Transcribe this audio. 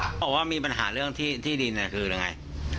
บอกว่ามีปัญหาเรื่องที่ดินคือยังไง